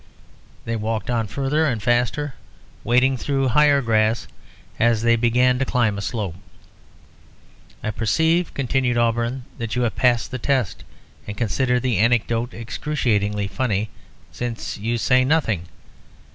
They walked on further and faster, wading through higher grass as they began to climb a slope. "I perceive," continued Auberon, "that you have passed the test, and consider the anecdote excruciatingly funny; since you say nothing.